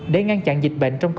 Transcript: để ngăn chặn dịch bệnh trong tỉnh